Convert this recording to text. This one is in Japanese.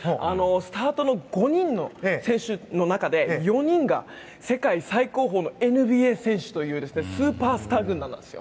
スタートの５人の選手の中で４人が世界最高峰のＮＢＡ選手というスーパースター軍団です。